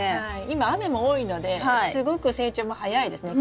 今雨も多いのですごく成長も早いですね。